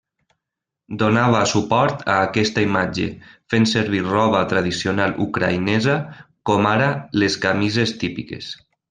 Donava suport a aquesta imatge, fent servir roba tradicional ucraïnesa com ara les camises típiques.